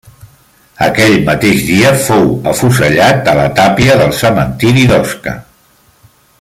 Aquell mateix dia fou afusellat a la tàpia del cementiri d'Osca.